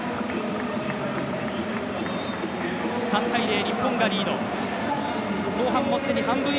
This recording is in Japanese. ３ー０、日本がリード。